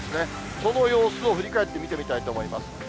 その様子を振り返って見てみたいと思います。